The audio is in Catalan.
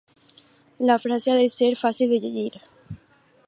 la frase ha de ser fàcil de llegir